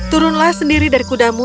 turunlah sendiri dari kudamu